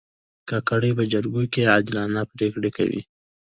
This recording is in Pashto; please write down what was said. کاکړي په جرګو کې عادلانه پرېکړې کوي.